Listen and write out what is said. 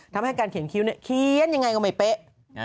ทำให้การเขียนคิ้วเนี่ยเขียนยังไงก็ไม่เป๊ะ